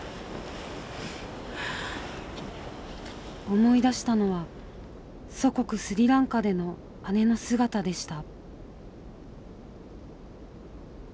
思い出したのは祖国スリランカでの姉の姿でした。